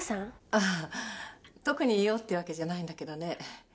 ああ特に用ってわけじゃないんだけどね。